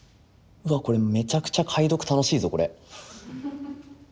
うわこれめちゃくちゃ解読楽しいぞこれ。